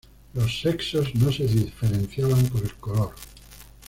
Los sexos no se diferenciaban por el color.